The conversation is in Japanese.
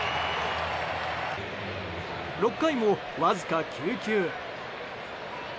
６回もわずか９球。